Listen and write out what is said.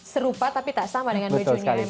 serupa tapi tak sama dengan bajunya emma stone